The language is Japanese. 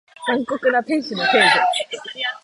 残酷な天使のテーゼ